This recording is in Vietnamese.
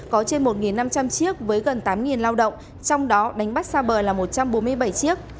có trên một năm trăm linh chiếc với gần tám lao động trong đó đánh bắt xa bờ là một trăm bốn mươi bảy chiếc